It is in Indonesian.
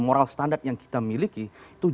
moral standar yang kita miliki itu